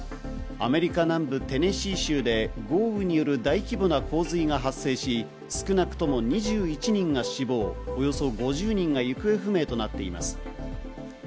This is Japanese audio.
アメリカ南部テネシー州で豪雨による大規模な洪水が発生し、少なくとも２１人が死亡、およそ５０人が行方不明となっています。